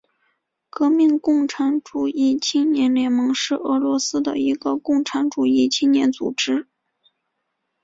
革命共产主义青年联盟是俄罗斯的一个共产主义青年组织。